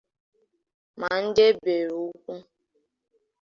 ma ndị e bere ụkwụ